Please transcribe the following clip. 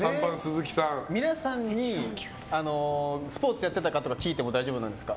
皆さんにスポーツやってたかとか聞いても大丈夫ですか。